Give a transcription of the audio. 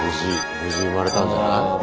無事産まれたんじゃない。